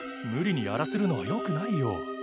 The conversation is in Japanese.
無理にやらせるのはよくないよ。